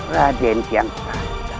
raden yang tanda